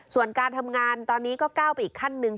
ส่วนการทำงานตอนนี้ก็ก้าวไปอีกขั้นหนึ่ง